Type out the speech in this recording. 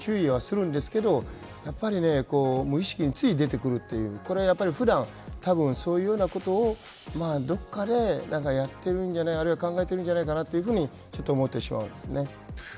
大学でもよく注意はするんですけどやっぱり無意識につい出てくるというこれは普段そういうようなことをどこかでやっているんじゃないかあるいは考えているんじゃないかとちょっと思ってしまうんです。